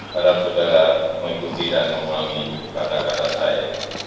bapak saudara mengikuti dan menguami kata kata saya